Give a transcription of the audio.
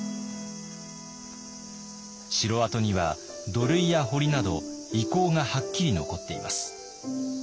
城跡には土塁や堀など遺構がはっきり残っています。